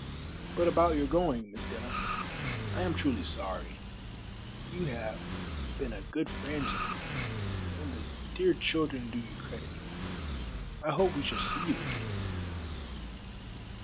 "But about your going, Miss Denham, I am truly sorry. You have been a good friend to me, and the dear children do you credit. I hope we shall see you again."